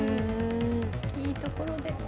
いいところで。